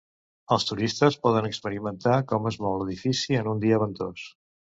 Els turistes poden experimentar com es mou l'edifici en un dia ventós.